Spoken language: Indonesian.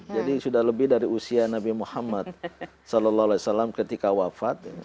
jadi sudah lebih dari usia nabi muhammad saw ketika wafat